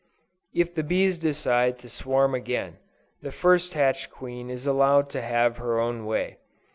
If the bees decide to swarm again, the first hatched queen is allowed to have her own way.